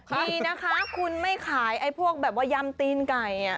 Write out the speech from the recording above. ดีนะคะคุณไม่ขายไอ้พวกแบบว่ายำตีนไก่